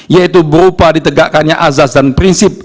yaitu berupa ditegakkannya azas dan prinsip